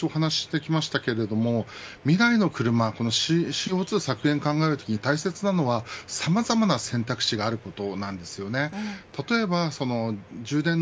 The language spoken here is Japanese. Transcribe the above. これまでも繰り返しお話ししてきましたが未来の車ＣＯ２削減を考えるときに大切なのはさまざまな選択肢があることです。